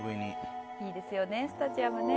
「いいですよねスタジアムね」